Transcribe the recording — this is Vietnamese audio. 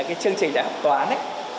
cái chương trình học toán